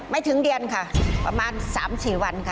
ไม่ถึงเดือนค่ะประมาณ๓๔วันค่ะ